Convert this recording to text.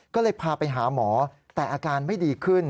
ก็เลยพาไปหาหมอแต่อาการไม่ดีขึ้น